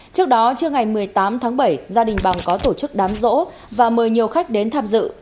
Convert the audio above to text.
trước đó trưa ngày một mươi tám tháng bảy gia đình bằng có tổ chức đám rỗ và mời nhiều khách đến tham dự